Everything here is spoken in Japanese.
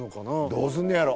どうすんねやろ。